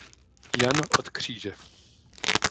Jan od Kříže.